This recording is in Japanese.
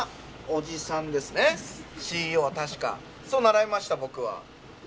そう習いました、僕は。